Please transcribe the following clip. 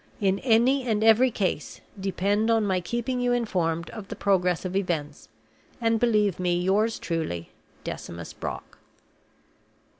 In any and every case, depend on my keeping you informed of the progress of events, and believe me yours truly, "DECIMUS BROCK."